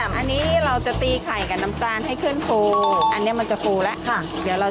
ถ้าตอนนี้ทำอะไรครับพี่แหม่ม